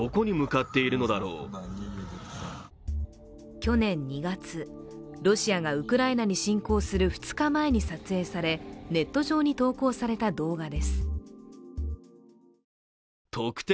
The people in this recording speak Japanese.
去年２月ロシアがウクライナに侵攻する２日前に撮影されネット上に投稿された動画です